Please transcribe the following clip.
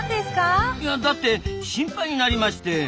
いやだって心配になりまして。